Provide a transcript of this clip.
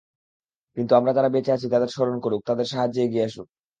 কিন্তু আমরা যারা বেঁচে আছি তাদের স্মরণ করুক, তাদের সাহায্যে এগিয়ে আসুক।